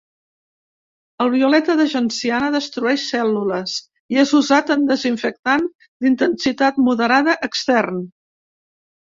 El violeta de genciana destrueix cèl·lules, i és usat en desinfectant d'intensitat moderada extern.